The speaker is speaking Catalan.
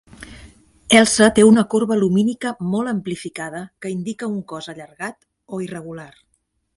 Elsa té una corba lumínica molt amplificada que indica un cos allargat o irregular.